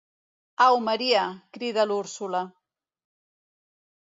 Au, Maria –crida l'Úrsula.